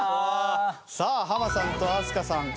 さあハマさんと飛鳥さん正解。